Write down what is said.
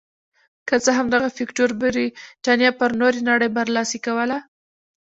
که څه هم دغه فکټور برېتانیا پر نورې نړۍ برلاسې کوله.